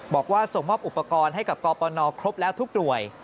บอกว่าส่งมอบอุปกรณ์ให้กับกปนครบแล้วทุกหน่วย